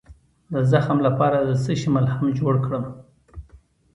د زخم لپاره د څه شي ملهم جوړ کړم؟